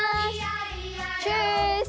チュース！